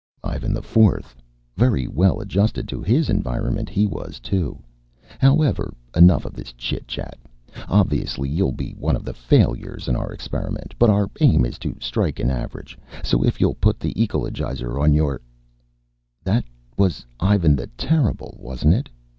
"Ivan the Fourth. Very well adjusted to his environment he was, too. However, enough of this chit chat. Obviously you'll be one of the failures in our experiment, but our aim is to strike an average, so if you'll put the ecologizer on your " "That was Ivan the Terrible, wasn't it?"